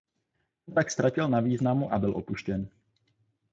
Ten tak ztratil na významu a byl opuštěn.